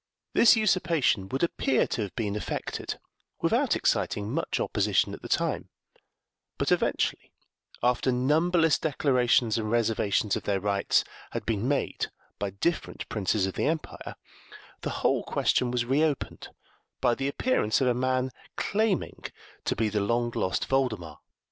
This usurpation would appear to have been effected without exciting much opposition at the time, but, eventually, after numberless declarations and reservations of their rights had been made by different princes of the empire, the whole question was reopened by the appearance of a man claiming to be the long lost Voldemar.